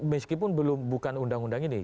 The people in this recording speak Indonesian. meskipun bukan undang undang ini